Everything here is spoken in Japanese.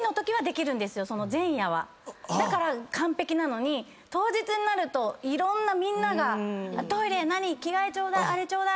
だから完璧なのに当日になるといろんなみんなが「トイレ」「着替えちょうだい」「あれちょうだい」